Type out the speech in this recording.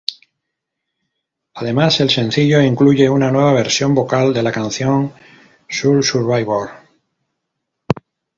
Además, el sencillo incluye una nueva versión vocal de la canción "Soul Survivor".